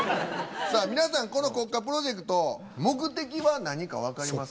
さあ皆さんこの国家プロジェクト目的は何か分かりますか？